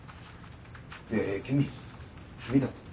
いやいや君君だって。